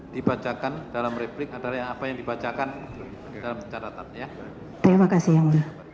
dibacakan dalam replik adalah apa yang dibacakan dalam catatan ya terima kasih